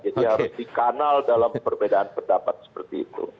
jadi harus dikanal dalam perbedaan pendapat seperti itu